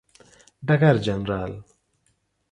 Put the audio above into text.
ډګر جنرال